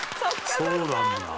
そうなんだ。